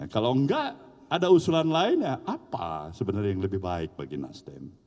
kalau enggak ada usulan lain ya apa sebenarnya yang lebih baik bagi nasdem